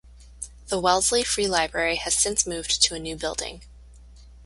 The Wellesley Free Library has since moved to a new building.